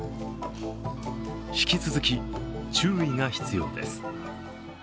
引き続き、注意が必要です。